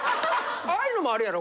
ああいうのもあるやろ？